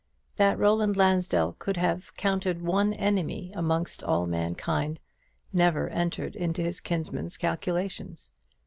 That Roland Lansdell could have counted one enemy amongst all mankind, never entered into his kinsman's calculations.